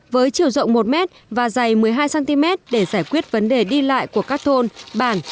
với chiều rộng một m và dày một mươi hai cm để giải quyết vấn đề đi lại của các thôn bản